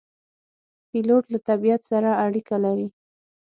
پیلوټ له طبیعت سره اړیکه لري.